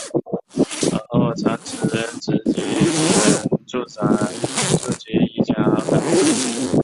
而后仓持直吉继承住吉一家二代目。